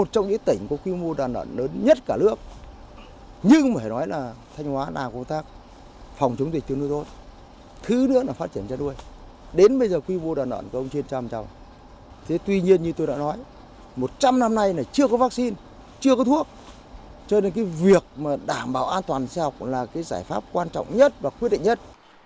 trong năm nay chưa có vaccine chưa có thuốc cho nên việc đảm bảo an toàn sinh học cũng là giải pháp quan trọng nhất và quyết định nhất